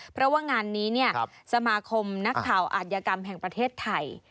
เพราะว่างานนี้สมาคมนักข่าวอาจยกรรมแห่งประเทศไทย